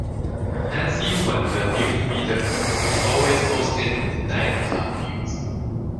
Nancy was the newsreader who always hosted the nine o'clock news